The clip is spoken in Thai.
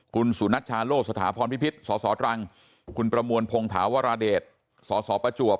คุณสุนัชชาโลสถาพรพิพิษสสตรังคุณประมวลพงศาวราเดชสสประจวบ